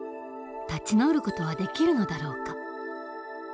立ち直る事はできるのだろうか？